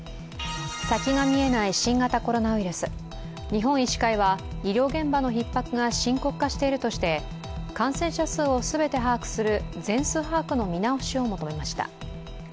日本医師会は医療現場のひっ迫が深刻化しているとして感染者数を全て把握する全数把握の見直しを求めました。